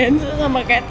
aku setinggiah sama kamu di